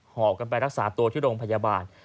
หอบกันไปรักษาตัวที่โรงพยาบาล